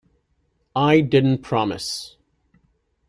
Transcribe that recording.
I didn't promise.